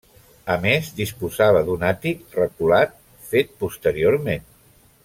A més, disposava d'un àtic reculat, fet posteriorment.